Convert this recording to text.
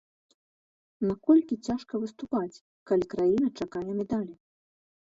Наколькі цяжка выступаць, калі краіна чакае медалі?